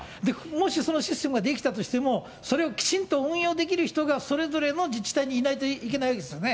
もしそのシステムが出来たとしても、それをきちんと運用できる人が、それぞれの自治体にいないといけないですよね。